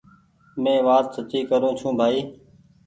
مينٚ وآت سچي ڪرون ڇوٚنٚ بآئي